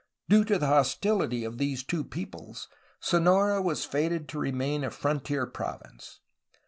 Due to the hostility of these two peoples, Sonora was fated to remain a frontier province.